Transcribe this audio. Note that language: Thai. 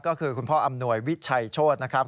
ก็คือคุณพ่ออำนวยวิชัยโชธนะครับ